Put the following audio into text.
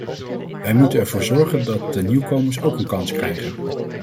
Wij moeten ervoor zorgen dat de nieuwkomers ook een kans krijgen.